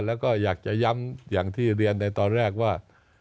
แล้วก็อยากจะย้ำอย่างที่เรียนในตอนแรกว่า